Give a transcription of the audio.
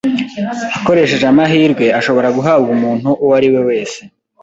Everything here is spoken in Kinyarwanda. akoresheje amahirwe ashobora guhabwa umuntu uwo ari we wese,